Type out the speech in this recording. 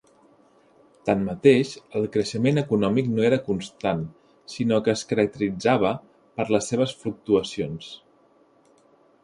Tanmateix, el creixement econòmic no era constant, sinó que es caracteritzava per les seves fluctuacions.